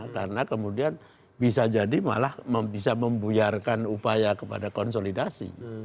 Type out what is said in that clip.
karena kemudian bisa jadi malah bisa membuyarkan upaya kepada konsolidasi